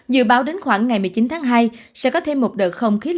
dự báo đến khoảng ngày một mươi chín tháng hai sẽ có thêm một đợt không khí lạnh